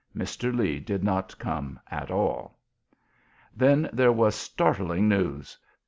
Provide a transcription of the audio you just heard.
Mr. Lee did not come at all. Then there was startling news!